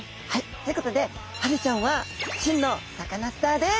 ということでハゼちゃんは真のサカナスターでギョざいます！